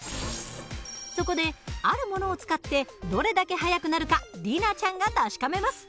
そこであるものを使ってどれだけ速くなるか里奈ちゃんが確かめます。